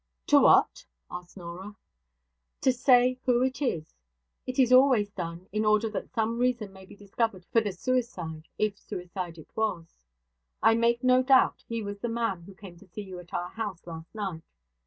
'To what?' asked Norah. 'To say who it is. It is always done, in order that some reason may be discovered for the suicide if suicide it was. I make no doubt, he was the man who came to see you at our house last night.